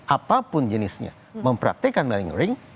apapun jenisnya mempraktekan malingering